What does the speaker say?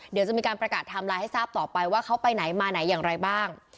เดี๋ยวจะมีการประกาศไทม์ไลน์ให้ทราบต่อไปว่าเขาไปไหนมาไหนอย่างไรบ้าง